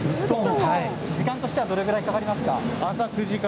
時間はどれぐらいかかりますか？